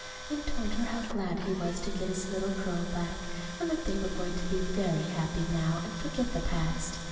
and told her how glad he was to get his little girl back, and that they were going to be very happy now and forget the past.